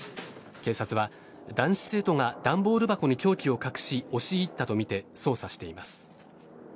警察は、男子生徒が段ボール箱に凶器を隠し押し入ったとみて捜査しています。